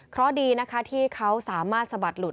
เพราะดีนะคะที่เขาสามารถสะบัดหลุด